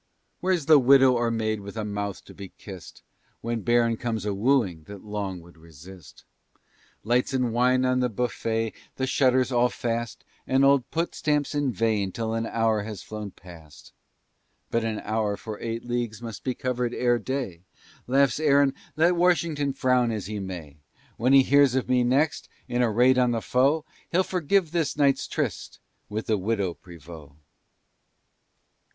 Where's the widow or maid with a mouth to be kist, When Burr comes a wooing, that long would resist? Lights and wine on the beaufet, the shutters all fast, And "Old Put" stamps in vain till an hour has flown past But an hour, for eight leagues must be covered ere day; Laughs Aaron, "Let Washington frown as he may, When he hears of me next, in a raid on the foe, He'll forgive this night's tryst with the Widow Prevost!"